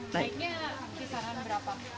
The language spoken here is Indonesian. naiknya kisaran berapa